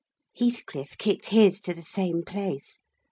Heathcliff kicked his to the same place.